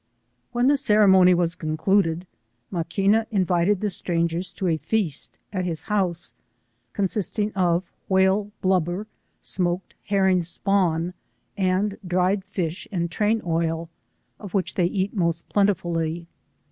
When the ceremony was concluded, Maqufba invited the strangers to a feast at his house, cod sisting of whale blubber, smoked herring spawn, and dried fish and train oil, of which they eat most plentifully.